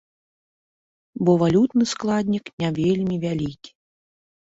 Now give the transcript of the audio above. Бо валютны складнік не вельмі вялікі.